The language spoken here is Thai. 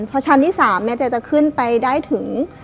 เพราะชั้นที่๓เจ๊จะขึ้นไปได้ถึง